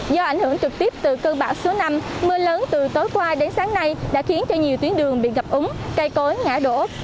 do ảnh hưởng trực tiếp từ cơn bão số năm mưa lớn từ tối qua đến sáng nay đã khiến cho nhiều tuyến đường bị ngập úng cây cối ngã đổ